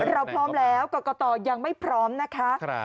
เราพร้อมแล้วกรกตยังไม่พร้อมนะคะ